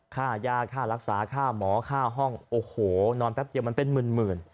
ค่ายาค่ารักษาค่าหมอค่าห้องโอ้โหนอนแป๊บเดียวมันเป็นหมื่น